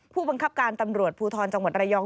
ผู้บังคับการตำรวจภูทรจังหวัดระยอง